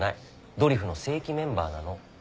ドリフの正規メンバーなの。